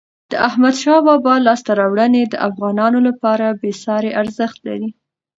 د احمد شاه بابا لاسته راوړني د افغانانو لپاره بېساری ارزښت لري.